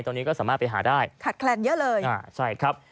ตอนนี้ก็สามารถไปหาได้ขาดแคลนเยอะเลยอ่าใช่ครับ